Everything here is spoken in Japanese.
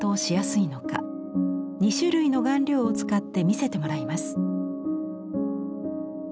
２種類の顔料を使って見せてもらいます。